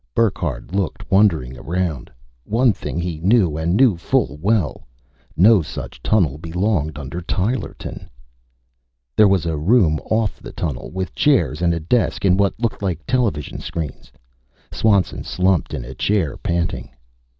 Burckhardt looked wondering around. One thing he knew and knew full well: No such tunnel belonged under Tylerton. There was a room off the tunnel with chairs and a desk and what looked like television screens. Swanson slumped in a chair, panting.